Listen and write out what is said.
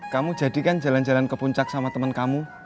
kamu jadikan jalan jalan ke puncak sama temen kamu